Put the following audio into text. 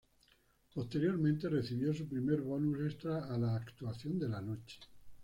Posteriormente, recibió su primer bonus extra a la "Actuación de la Noche".